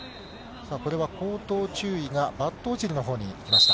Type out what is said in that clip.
これは口頭注意が、バットオチルのほうにきました。